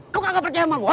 lu kagak percaya sama gua